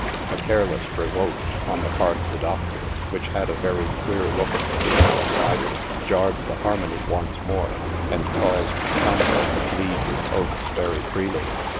A careless revoke on the part of the doctor, which had a very " queer" look to an outsider, jarred the harmony once more, and caused the commodore to bleed his oaths very freely.